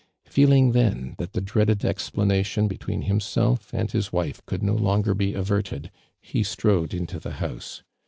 Feel ing then that the di'caded explanation be tween himself and his wife could no longer be averted, he strode into the house.